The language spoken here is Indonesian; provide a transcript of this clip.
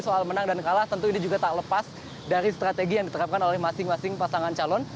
soal menang dan kalah tentu ini juga tak lepas dari strategi yang diterapkan oleh masing masing pasangan calon